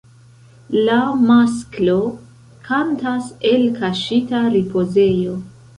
La masklo kantas el kaŝita ripozejo.